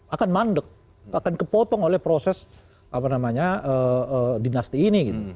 akan mandek akan kepotong oleh proses dinasti ini